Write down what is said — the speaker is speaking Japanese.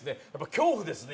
恐怖ですね